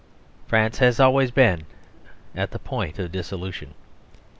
France has always been at the point of dissolution.